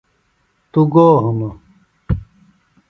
توۡ گو ہِنوۡ ؟